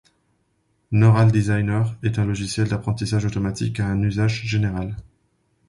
Neural Designer est un logiciel d’apprentissage automatique à un usage général.